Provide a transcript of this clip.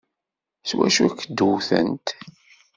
S wacu i k-d-wtent?